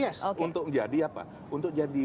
yes untuk jadi apa untuk jadi